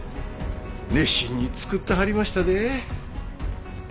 熱心に作ってはりましたで。